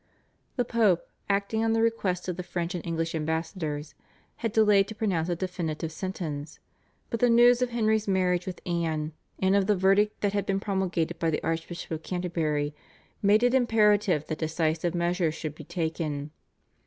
The Pope, acting on the request of the French and English ambassadors, had delayed to pronounce a definitive sentence, but the news of Henry's marriage with Anne and of the verdict that had been promulgated by the Archbishop of Canterbury made it imperative that decisive measures should be taken.